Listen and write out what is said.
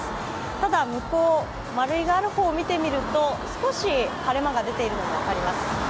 ただ向こう、マルイがある方を見てみると少し晴れ間が出ているのが分かります。